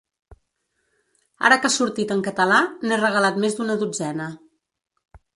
Ara que ha sortit en català, n’he regalat més d’una dotzena.